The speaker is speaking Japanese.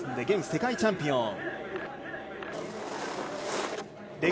現世界チャンピオン。